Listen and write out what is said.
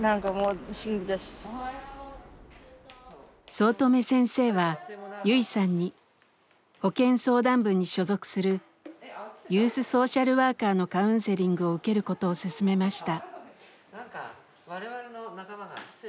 早乙女先生はユイさんに保健相談部に所属するユースソーシャルワーカーのカウンセリングを受けることを勧めました。